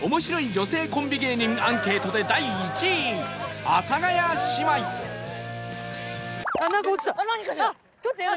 女性コンビ芸人アンケート」で第１位阿佐ヶ谷姉妹ちょっとイヤだ！